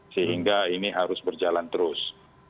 sehingga ini harus berjalan terus